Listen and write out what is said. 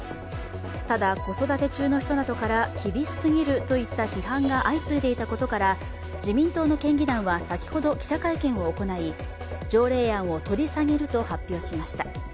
ただ、子育て中の人などから厳しすぎるといった批判が相次いでいたことから自民党の県議団は先ほど記者会見を行い、条例案を取り下げると発表しました。